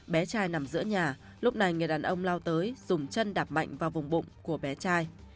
bé trai nằm giữa nhà lúc này người đàn ông lao tới dùng chân đạp mạnh vào vùng bụng của bé trai